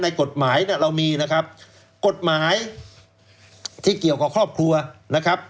กฎหมายเนี่ยเรามีนะครับกฎหมายที่เกี่ยวกับครอบครัวนะครับ